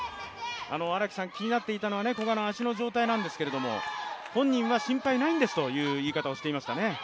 気になっていたのは古賀の足の状態なんですけれども、本人は心配ないんですという言い方をしていましたね。